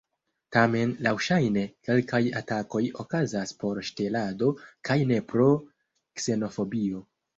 Tamen laŭŝajne kelkaj atakoj okazas por ŝtelado kaj ne pro ksenofobio.